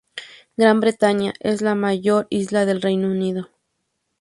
Gran Bretaña es la mayor isla del Reino Unido.